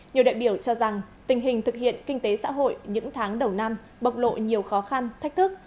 nhiều đại biểu cho rằng tình hình thực hiện kinh tế xã hội những tháng đầu năm bộc lộ nhiều khó khăn thách thức